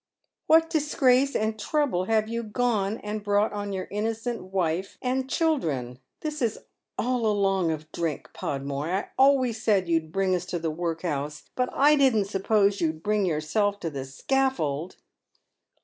What disgrace and trouble have you gone and brought on your innocent wife and children? Tiiis is all along of drink, Podmore. I always said you'd bring us to the work house, but I didn't suppose you'd bi'ing yourself to the scafTold."